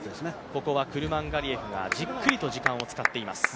ここはクルマンガリエフがじっくりと時間を使っています。